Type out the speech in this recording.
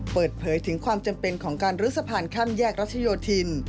เปิดเผยถึงความจำเป็นของการลื้อสะพานข้ามแยกรัชโยธิน